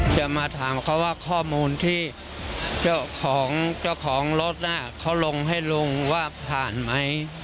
จะมาถามเขาว่าข้อมูลที่เจ้าของรถนั่นเขาลงให้ลุงว่าผลันมั้ย